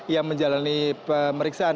yang menjalani pemeriksaan